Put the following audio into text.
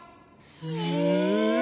へえ。